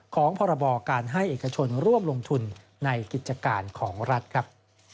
พรบการให้เอกชนร่วมลงทุนในกิจการของรัฐครับ